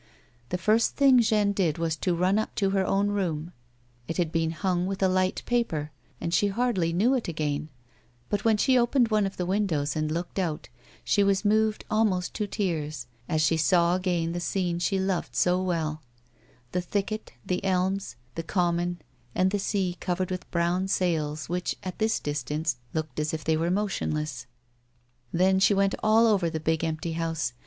The first thing Jeanne did was to run up to her own room. It had been hung with a light paper and she hardly knew it again, but when she opened one of the windows and looked out, she was moved almost to tears as she saw again the scene she loved so well — the thicket, the elms, the common, and the sea covered with brown sails which, at this distance, looked as if they were motionless. Then she went all over the big, empty house.